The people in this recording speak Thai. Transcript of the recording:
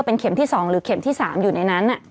เป็นเข็มที่๒หรือเข็มที่๓อยู่ในนั้น